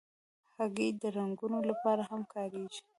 هګۍ د رنګونو لپاره هم کارېږي.